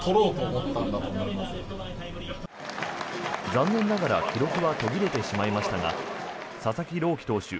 残念ながら記録は途切れてしまいましたが佐々木朗希投手